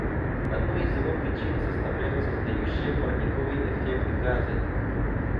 Одну из его причин составляют создающие парниковый эффект газы.